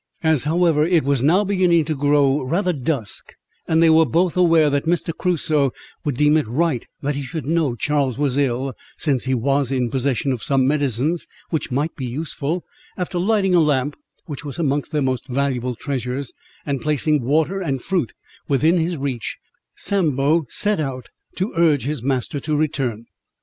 As, however, it was now beginning to grow rather dusk, and they were both aware that Mr. Crusoe would deem it right that he should know Charles was ill, since he was in possession of some medicines which might be useful, after lighting a lamp (which was amongst their most valuable treasures), and placing water and fruit within his reach, Sambo set out to urge his master to return.